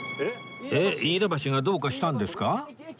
えっ飯田橋がどうかしたんですか？